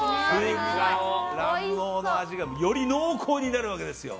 卵黄の味がより濃厚になるわけですよ。